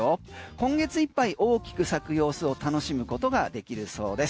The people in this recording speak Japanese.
今月いっぱい大きく咲く様子を楽しむことができるそうです。